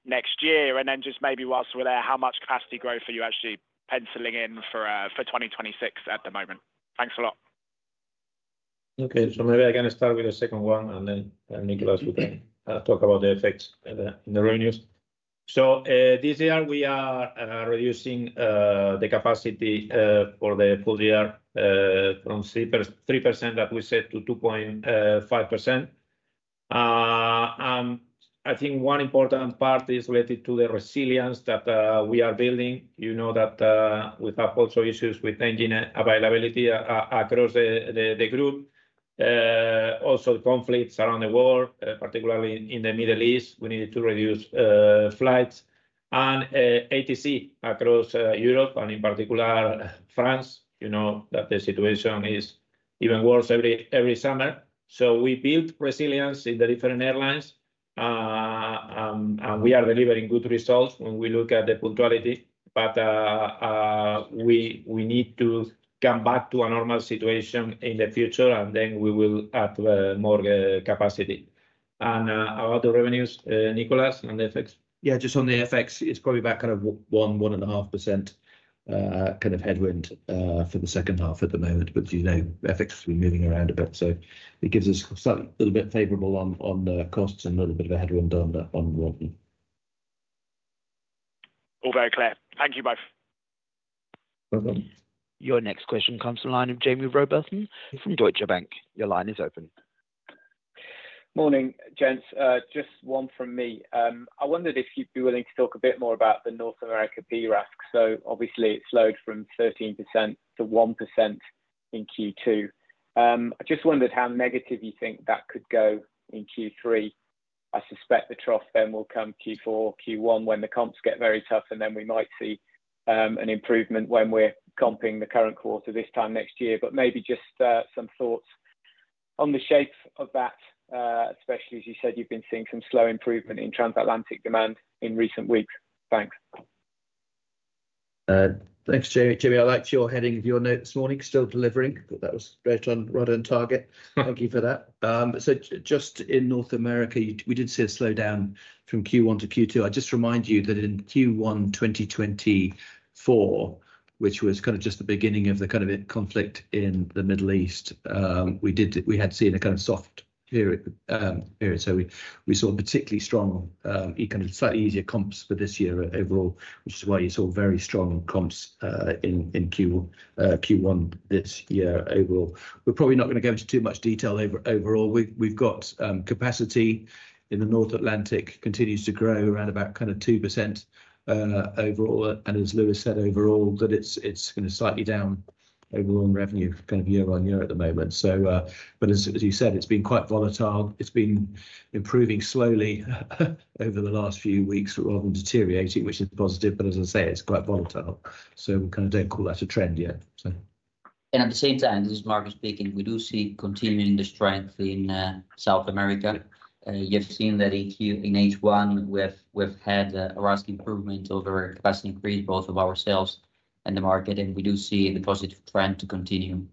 next year? Maybe whilst we're there, how much capacity growth are you actually penciling in for 2026 at the moment? Thanks a lot. Okay, so maybe I can start with the second one and then Nicholas will then talk about the effects in erroneous. This year we are reducing the capacity for the full year from 3% that we set to 2.5%. I think one important part is related to the resilience that we are building. You know that we have also issues with engine availability across the group, also conflicts around the world, particularly in the Middle East. We needed to reduce flights and ATC across Europe and in particular France. You know that the situation is even worse every summer. We build resilience in the different airlines and we are delivering good results when we look at the punctuality. We need to come back to a normal situation in the future and then we will add more capacity and how other revenues, Nicholas and the fx? Yeah, just on the FX, it's probably about kind of 1%, 1.5% kind of headwind for the second half at the moment. FX has been moving around a bit, so it gives us a little bit favorable on costs and a little bit of a headwind on that on Robin. All very clear. Thank you both. Your next question comes online of Jaime Rowbotham from Deutsche Bank. Your line is open. Morning, gents. Just one from me. I wondered if you'd be willing to talk a bit more about the North America. Obviously it slowed from 13%-1% in Q2. I just wondered how negative you think that could go in Q3. I suspect the trough will come Q4, Q1 when the comps get very tough and then we might see an improvement when we're comping the current quarter this time next year. Maybe just some thoughts on the shape of that, especially as you said, you've been seeing some slow improvement in transatlantic demand in recent weeks. Thanks. Thanks, Jimmy. I liked your heading of your note this morning. Still delivering. That was great on rudder and Target. Thank you for that. Just in North America, we did see a slowdown from Q1 to Q2. I just remind you that in Q1 2024, which was kind of just the beginning of the kind of conflict in the Middle East, we had seen a kind of soft period. We saw particularly strong, slightly easier comps for this year overall, which is why you saw very strong comps in Q1 this year. We're probably not going to go into too much detail. Overall, we've got capacity in the North Atlantic continues to grow around about 2% overall and as Luis said overall that it's going to be slightly down overall in revenue year on year at the moment. As you said, it's been quite volatile. It's been improving slowly over the last few weeks rather than deteriorating, which is positive. As I say, it's quite volatile. We don't call that a trend yet. At the same time, this is Marcus speaking, we do see continuing the strength in South America. You've seen that in H1. We've had a rascal improvement over capacity increase, both of ourselves and the market. We do see the positive trend to continue.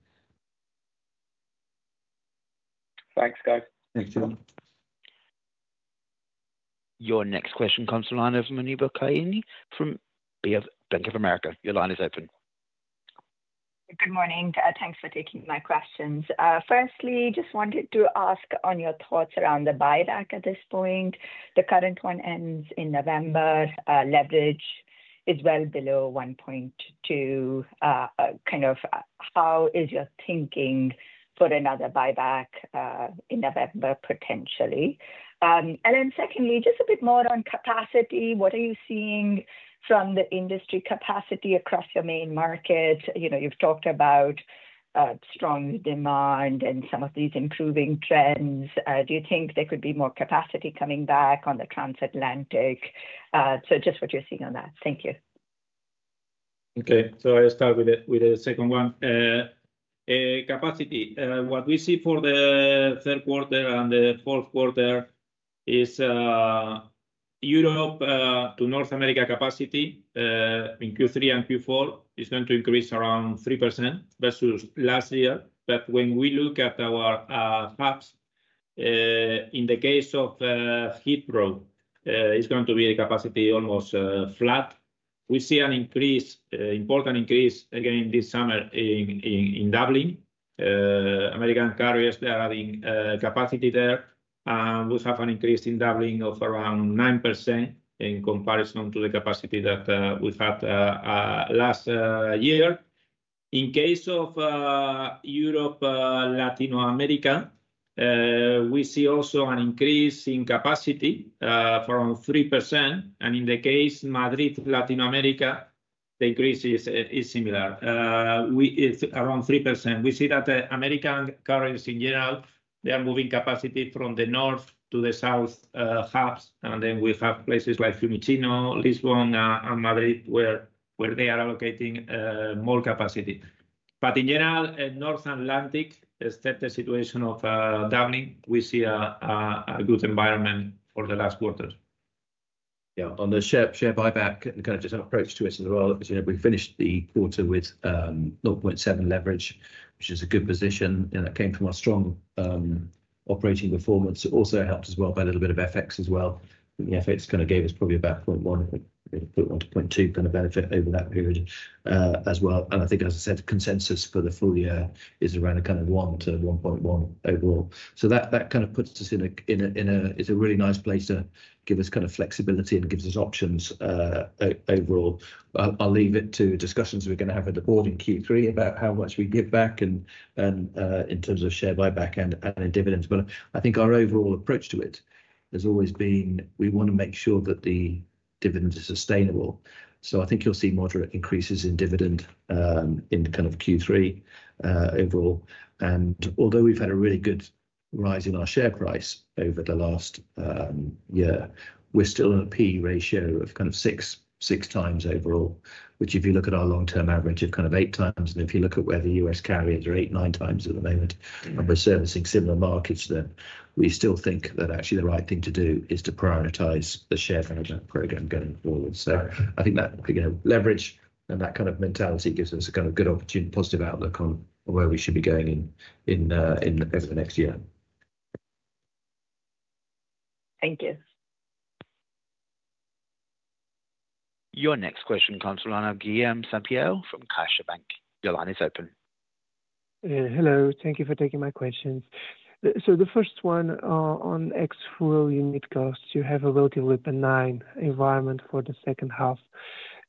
Thanks, guys. Thanks, John. Your next question comes to line over Muneeba Kayani from Bank of America. Your line is open. Good morning. Thanks for taking my questions. Firstly, just wanted to ask on your thoughts around the buyback at this point. The current one ends in November. Leverage is well below 1.2. How is your thinking for another buyback in November? Potentially. Secondly, just a bit more on capacity. What are you seeing from the industry capacity across your main market? You know, you've talked about strong demand and some of these improving trends. Do you think there could be more capacity coming back on the transatlantic? Just what you're seeing on that. Thank you. Okay, so I start with the second one, capacity. What we see for the third quarter and the fourth quarter is Europe to North America. Capacity in Q3 and Q4 is going to increase around 3% versus last year. When we look at our hubs, in the case of Heathrow, the capacity is almost flat. We see an important increase again this summer in Dublin. American carriers are adding capacity there. We have an increase in Dublin of around 9% in comparison to the capacity that we've had last year. In the case of Europe, Latin America, we see also an increase in capacity of 3%. In the case of Madrid, Latin America, the increase is similar, around 3%. We see that American carriers in general are moving capacity from the north to the south hubs. We have places like Fiumicino, Lisbon, and Madrid where they are allocating more capacity. In general, North Atlantic, is that the situation of Dublin? We see a good environment for the last quarter? Yeah. On the share buyback and kind of just an approach to it as well. We finished the quarter with 0.7 net leverage, which is a good position. That came from our strong operating performance, also helped as well by a little bit of FX as well. The FX kind of gave us probably about 0.1-0.2 kind of benefit over that period as well. I think, as I said, consensus for the full year is around a kind of 1-1.1 overall. That kind of puts us in a really nice place to give us kind of flexibility and gives us options overall. I'll leave it to discussions we're going to have with the board in Q3 about how much we give back in terms of share buyback and dividends. I think our overall approach to it has always been we want to make sure that the dividend is sustainable. I think you'll see moderate increases in dividend in kind of Q3 overall. Although we've had good rise in our share price over the last year, we're still in a P/E ratio of kind of six, six times overall, which if you look at our long term average of kind of eight times and if you look at where the U.S. carriers are, eight, nine times at the moment and we're servicing similar markets, then we still think that actually the right thing to do is to prioritize the share program going forward. I think that leverage and that kind of mentality gives us a kind of good opportunity, positive outlook on where we should be going in over the next year. Thank you. Your next question comes from Guilherme Sampaio from CaixaBank. Your line is open. Hello. Thank you for taking my questions. The first one on ex-fuel unit costs, you have a relatively benign environment for the second half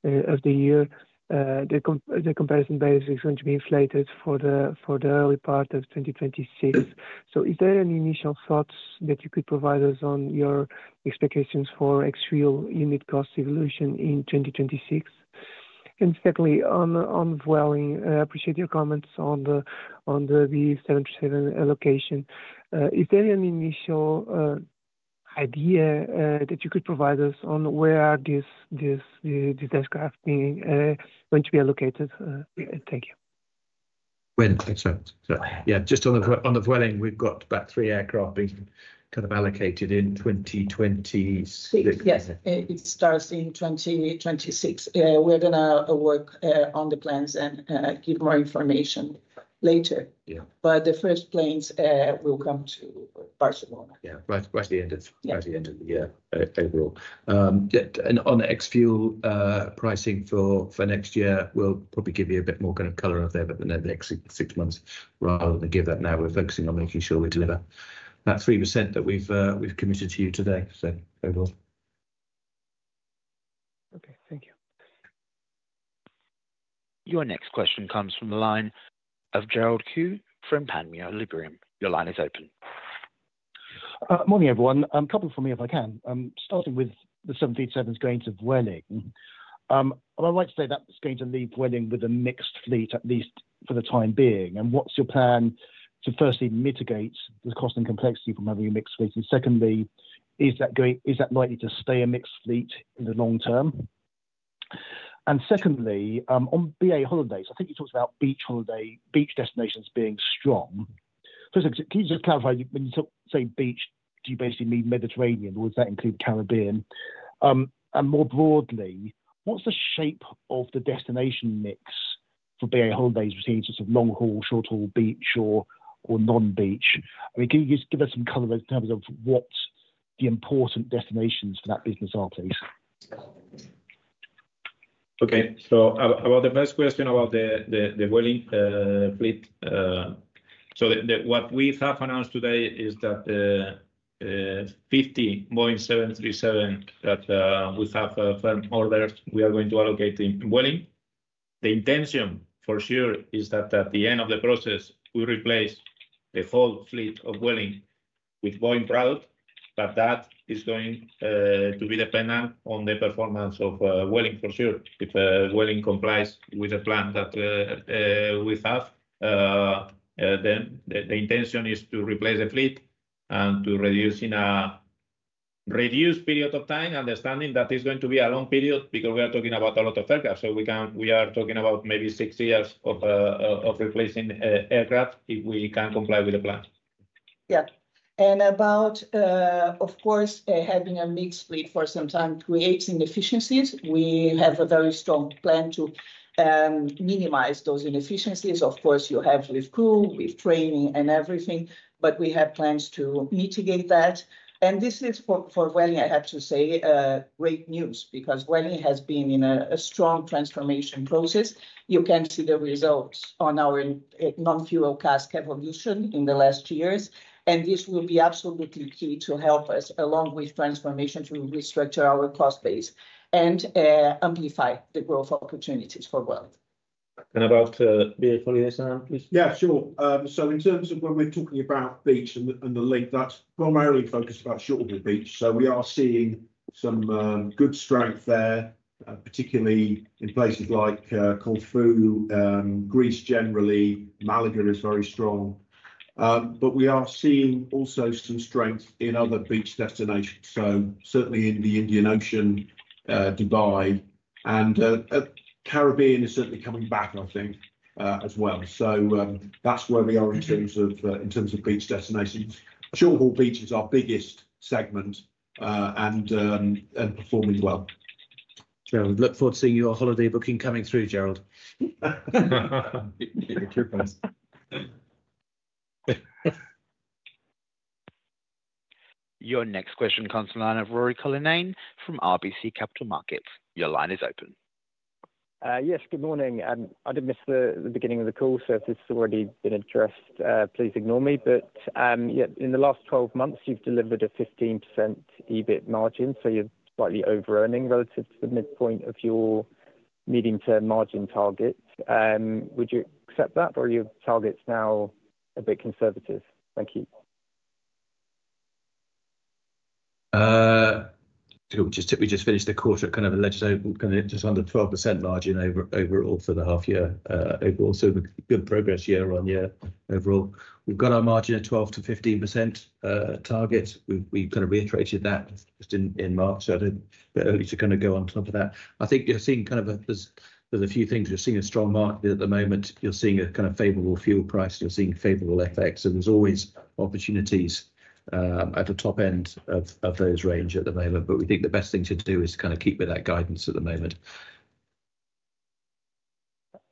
of the year. The comparison basis is going to be inflated for the early part of 2026. Is there any initial thoughts that you could provide us on your expectations for ex-fuel unit cost evolution in 2026? Secondly, on Vueling, I appreciate your comments on the BA 737 allocation. Is there an initial idea that you could provide us on where this aircraft is going to be? Thank you. Yeah, just on the Vueling, we've got about three aircraft being kind of allocated in 2026. It starts in 2026. We're going to work on the plans and give more information later. The first planes will come to Barcelona. Yeah, right at the end of the year April. On ex fuel pricing for next year, we'll probably give you a bit more kind of color there. Over the next six months, rather than give that now, we're focusing on making sure we deliver that 3% that we've committed to you today. Okay, thank you. Your next question comes from the line of Gerald Khoo from Panmure Liberum. Your line is open. Morning everyone. Couple for me if I can, starting with the 757s going to Vueling. Am I right to say that's going to leave Vueling with a mixed fleet at least for the time being? What's your plan to firstly mitigate the cost and complexity from having a mixed fleet, and secondly, is that likely to stay a mixed fleet in the long term? On BA Holidays, I think you talked about beach holiday, beach destinations being strong. First, can you just clarify, when you say beach, do you basically mean Mediterranean or does that include Caribbean? More broadly, what's the shape of the destination mix for BA Holidays between long haul, short haul, beach or non-beach? Can you just give us some color in terms of what the important destinations for that business are, please? Okay, so about the first question about the Vueling fleet. What we have announced today is that 50 Boeing 737 that we have firm orders, we are going to allocate in Vueling. The intention for sure is that at the end of the process we replace the whole fleet of Vueling with Boeing product. That is going to be dependent on the performance of Vueling for sure. If Vueling complies with the plan that we have, then the intention is to replace the fleet and to reduce in a reduced period of time. Understanding that it's going to be a long period because we are talking about a lot of aircraft. We are talking about maybe six years of replacing aircraft if we can comply with the plan. Yeah. Of course, having a mixed fleet for some time creates inefficiencies. We have a very strong plan to minimize those inefficiencies. You have with crew, with training and everything, but we have plans to mitigate that. This is for Vueling. I have to say great news because Vueling has been in a strong transformation process. You can see the results on our non-fuel CASK evolution in the last years. This will be absolutely key to help us along with transformation to restructure our cost base and amplify the growth opportunities for Vueling and about. Yeah, sure. In terms of when we're talking about beach and the length, that's primarily focused on shorthaul beach. We are seeing some good strength there, particularly in places like Corfu, Greece. Generally, Malaga is very strong, but we are also seeing some strength in other beach destinations. Certainly in the Indian Ocean, Dubai, and the Caribbean is certainly coming back, I think, as well. That's where we are in terms of beach destinations. Shorthaul beach is our biggest segment and performing well. Look forward to seeing your holiday booking coming through. Gerald. Your next question comes from Ruairi Cullinane from RBC Capital Markets. Your line is open. Yes, good morning. I did miss the beginning of the call, so if this has already been addressed, please ignore me. In the last 12 months you've delivered a 15% EBIT margin. You're slightly over earning relative to the midpoint of your medium term margin target. Would you accept that or your target's now a bit conservative. Thank you. We just finished the quarter just under 12% margin overall for the half year. Also good progress year on year. Overall we've got our margin at 12%-15% target. We reiterated that just in March. I don't need to go on top of that. I think you're seeing there's a few things. You're seeing a strong market at the moment. You're seeing a favorable fuel price, you're seeing favorable FX and there's always opportunities at the top end of those range at the moment. We think the best thing to do is keep with that guidance at the moment.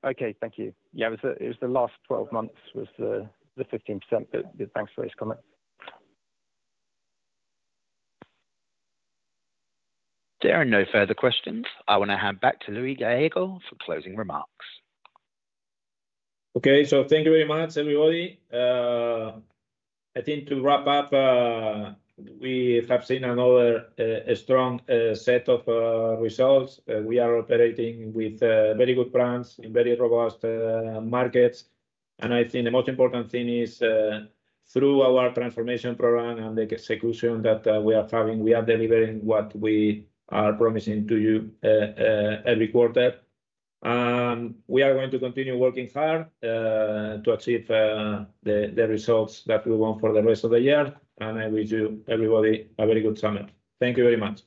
Okay, thank you. Yeah, it was the last 12 months was the 15%. Thanks for his comments. There are no further questions. I want to hand back to Luis Gallego for closing remarks. Okay, so thank you very much everybody. I think to wrap up, we have seen another strong set of results. We are operating with very good brands in very robust markets. I think the most important thing is through our transformation program and the execution that we are having, we are delivering what we are promising to you every quarter. We are going to continue working hard to achieve the results that we want for the rest of the year. I wish you everybody a very good summer. Thank you very much.